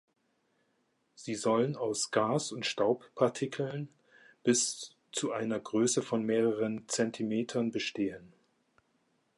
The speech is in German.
Sie sollen aus Gas und Staubpartikeln bis zu einer Größe von mehreren Zentimetern bestehen.